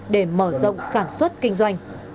để mở rộng sản xuất kinh doanh